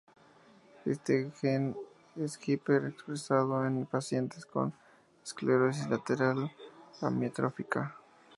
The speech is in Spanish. Este gen está hiper-expresado en pacientes con esclerosis lateral amiotrófica.